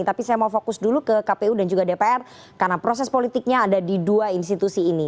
tapi saya mau fokus dulu ke kpu dan juga dpr karena proses politiknya ada di dua institusi ini